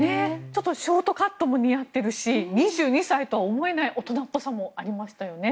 ちょっとショートカットも似合っているし２２歳とは思えない大人っぽさもありましたよね。